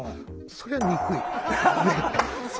そりゃ憎い。